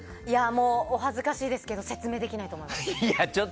もうお恥ずかしいですけど説明できないと思います。